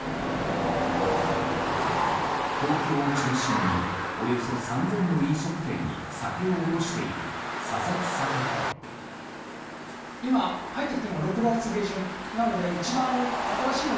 東京を中心におよそ３０００の飲食店に酒を卸している佐々木酒店。